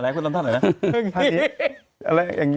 ใช้เซวาหน้าเลยเรียบไง